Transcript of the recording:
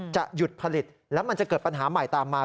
หยุดผลิตแล้วมันจะเกิดปัญหาใหม่ตามมา